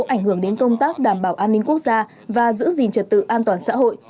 ảnh hưởng đến công tác đảm bảo an ninh quốc gia và giữ gìn trật tự an toàn xã hội